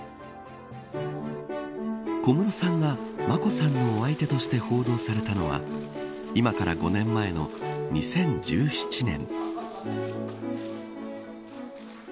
小室さんが眞子さんのお相手として報道されたのは今から５年前の２０１７年。